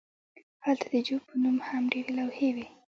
هلته د جو په نوم هم ډیرې لوحې وې